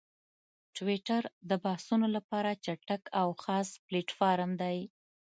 ټویټر د بحثونو لپاره چټک او خلاص پلیټفارم دی.